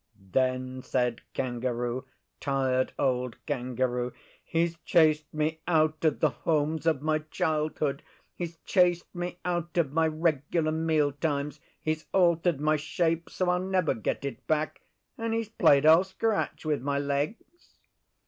Then said Kangaroo Tired Old Kangaroo He's chased me out of the homes of my childhood; he's chased me out of my regular meal times; he's altered my shape so I'll never get it back; and he's played Old Scratch with my legs.